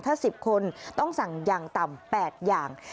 ถ้า๑๐คนต้องสั่งอย่างต่ำ๘อย่าง